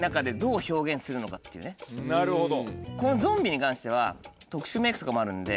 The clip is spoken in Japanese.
なるほど。